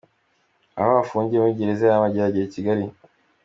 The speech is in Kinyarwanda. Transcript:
Aho afungiye muri gereza ya Mageragere I Kigali.